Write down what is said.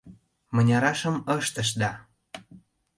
— Мынярашым ыштышда?